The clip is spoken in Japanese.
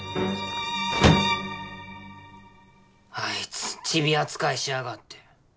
あいつチビ扱いしやがって！